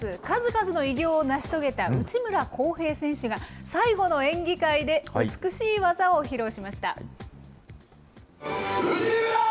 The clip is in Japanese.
数々の偉業を成し遂げた内村航平選手が、最後の演技会で、美しい技を披露しました。